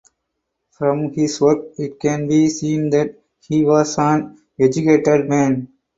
From his work it can be seen that he was an educated man.